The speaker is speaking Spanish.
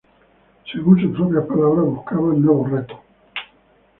Según sus propias palabras buscaba nuevos retos, ej.